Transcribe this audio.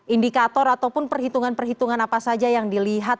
indikator ataupun perhitungan perhitungan apa saja yang dilihat